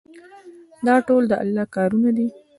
دا ټول د الله کارونه دي.